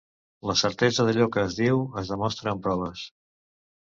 La certesa d'allò que es diu es demostra amb proves.